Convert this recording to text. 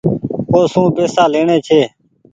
اوسون پئيسا ليڻي ڇي۔